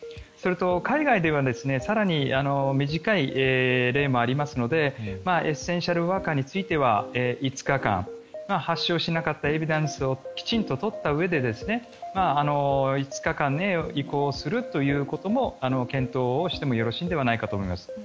それと海外では更に短い例もありますのでエッセンシャルワーカーについては５日間発症しなかったエビデンスをきちんと取ったうえで５日間に移行するということも検討してもよろしいのではないかと思います。